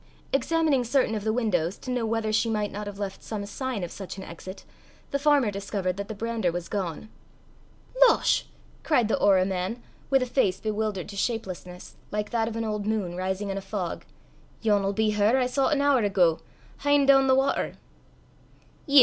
Examining certain of the windows to know whether she might not have left some sign of such an exit, the farmer discovered that the brander was gone. "Losh!" cried the orra man, with a face bewildered to shapelessness, like that of an old moon rising in a fog, "yon'll be her I saw an hoor ago, hyne doon the watter!"